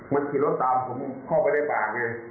มันขี่รถตามผมเข้าไปได้บ้างนี่